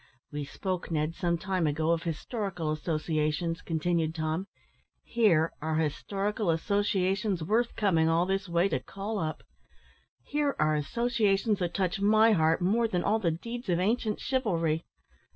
"We spoke, Ned, sometime ago, of historical associations," continued Tom, "here are historical associations worth coming all this way to call up. Here are associations that touch my heart more than all the deeds of ancient chivalry.